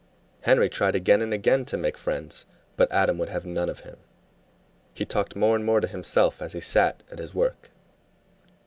Henry tried again and again to make friends, but Adam would have none of him. He talked more and more to himself as he sat at his work.